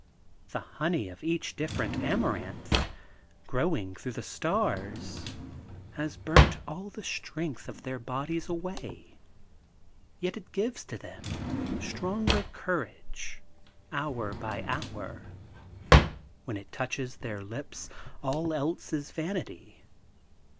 The honey of each different Amaranth, growing through the stars, has burnt all the strength of their bodies away, yet it gives to them stronger courage, hour by hour. When it touches their lips, all else is vanity.